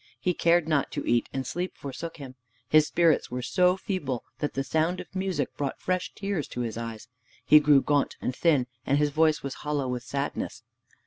He cared not to eat, and sleep forsook him. His spirits were so feeble that the sound of music brought fresh tears to his eyes. He grew gaunt and thin, and his voice was hollow with sadness.